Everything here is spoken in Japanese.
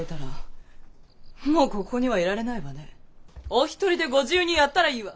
お一人でご自由にやったらいいわ。